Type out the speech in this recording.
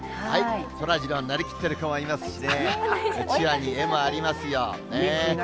そらジローになりきっている子もいますしね、うちわに絵もありますよ。